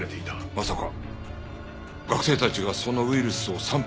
まさか学生たちがそのウイルスを散布する計画を？